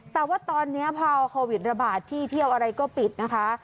แต่ว่าตอนนี้พอโควิดระบาดที่เที่ยวอะไรก็ปิดนะคะ